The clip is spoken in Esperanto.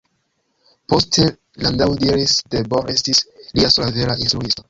Poste Landau diris ke Bohr estis lia "sola vera instruisto".